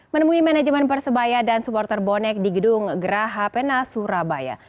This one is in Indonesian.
menemui manajemen persebaya dan supporter bonek di gedung geraha pena surabaya